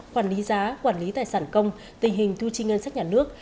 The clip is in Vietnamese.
quản lý giá quản lý tài sản công tình hình thu chi ngân sách nhà nước